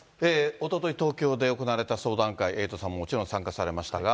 おととい、東京で行われた相談会、エイトさんももちろん参加されましたが。